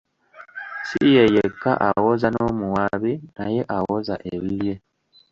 Ssi ye yekka awoza, n'omuwaabi naye awoza ebibye.